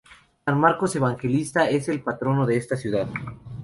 San Marcos Evangelista es el patrono de esta ciudad.